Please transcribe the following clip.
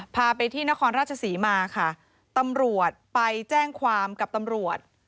พาไปที่นครราชศรีมาค่ะตำรวจไปแจ้งความกับตำรวจ